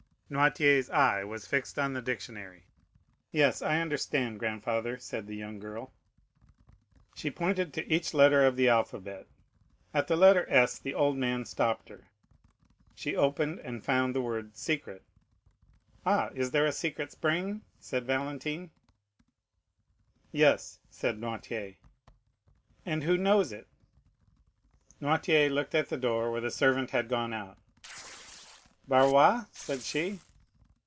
Noirtier's eye was fixed on the dictionary. "Yes, I understand, grandfather," said the young girl. 40036m She pointed to each letter of the alphabet. At the letter S the old man stopped her. She opened, and found the word "secret." "Ah! is there a secret spring?" said Valentine. "Yes," said Noirtier. "And who knows it?" Noirtier looked at the door where the servant had gone out. "Barrois?" said she.